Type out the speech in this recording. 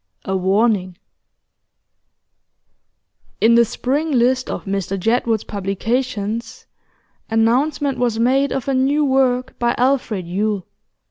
A WARNING In the spring list of Mr Jedwood's publications, announcement was made of a new work by Alfred Yule.